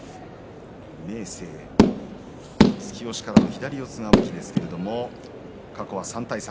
明生は突き押しからの左四つが武器ですけれども過去は３対３。